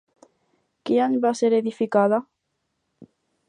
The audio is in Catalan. Quin any va ser edificada?